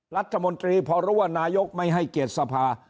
รัฐมนตรีพอรู้ว่านายกไม่ให้เกียรติสภา